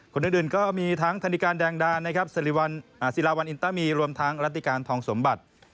คนอื่นก็มีทางธนิการแดงดาสิราวันอินเตอร์มีรวมทางรัฐิการทองสมบัติ